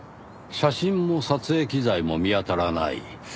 写真も撮影機材も見当たらない？